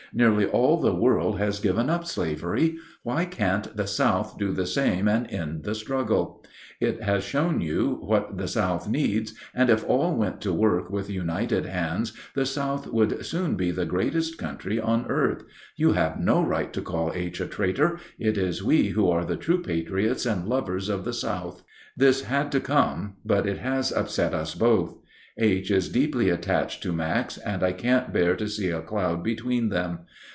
Nearly all the world has given up slavery; why can't the South do the same and end the struggle. It has shown you what the South needs, and if all went to work with united hands the South would soon be the greatest country on earth. You have no right to call H. a traitor; it is we who are the true patriots and lovers of the South." This had to come, but it has upset us both. H. is deeply attached to Max, and I can't bear to see a cloud between them.